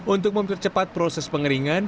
untuk mempercepat proses pengeringan